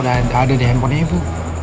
tante mau tunjukin ke kamu